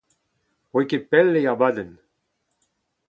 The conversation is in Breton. Ne voe ket pell e abadenn.